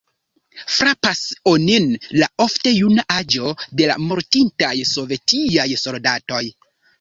Frapas onin la ofte juna aĝo de la mortintaj sovetiaj soldatoj.